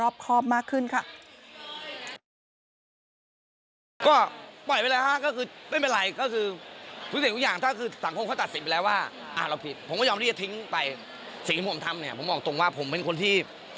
ผมบอกตรงว่าผมเป็นคนที่